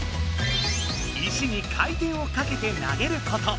石に回転をかけて投げること。